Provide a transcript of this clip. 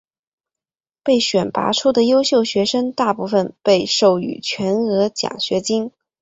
被选拔出的优秀学生大部分被授予全额奖学金。